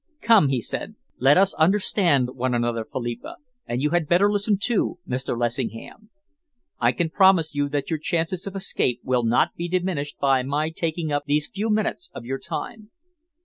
"Come," he said, "let us understand one another, Philippa, and you had better listen, too, Mr. Lessingham. I can promise you that your chances of escape will not be diminished by my taking up these few minutes of your time.